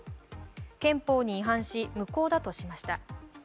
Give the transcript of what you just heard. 憲法に違反し、無効だとしました。